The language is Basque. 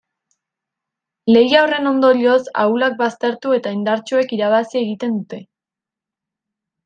Lehia horren ondorioz ahulak baztertu eta indartsuek irabazi egiten dute.